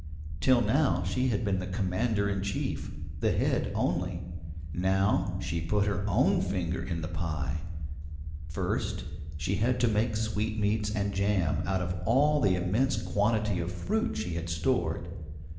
Till now she had been the commander in chief the head only; now she put her own finger in the pie. First, she had to make sweetmeats and jam out of all the immense quantity of fruit she had stored.